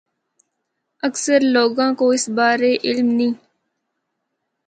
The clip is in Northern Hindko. اکثر لوگاں کو اس بارے علم نیں۔